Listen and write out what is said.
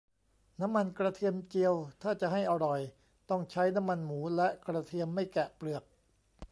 น้ำมันกระเทียมเจียว ถ้าจะให้อร่อยต้องใช้น้ำมันหมู และกระเทียมไม่แกะเปลือก